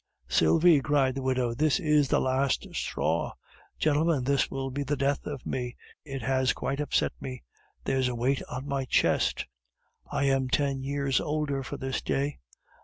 "Sylvie!" cried the widow, "this is the last straw. Gentlemen, this will be the death of me! It has quite upset me! There's a weight on my chest! I am ten years older for this day!